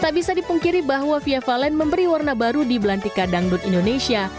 tak bisa dipungkiri bahwa fia valen memberi warna baru di belantika dangdut indonesia